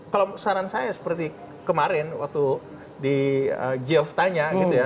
kalau saran saya seperti kemarin waktu di gioftanya